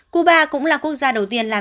cuba cũng là quốc gia đầu tiên